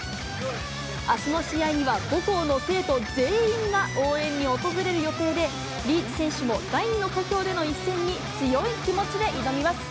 あすの試合には母校の生徒全員が応援に訪れる予定で、リーチ選手も第二の故郷での一戦に強い気持ちで挑みます。